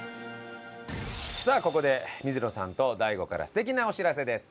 さあここで水野さんとＤＡＩＧＯから素敵なお知らせです。